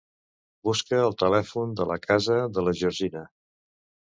Buscar el telèfon de casa de la Georgina.